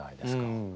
うん。